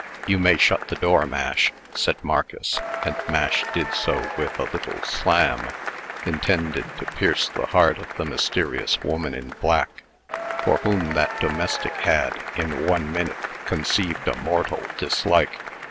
"You may shut the door, Mash," said Marcus; and Mash did so with a little slam, intended to pierce the heart of the mysterious woman in black, for whom that domestic had, in one minute, conceived a mortal dislike.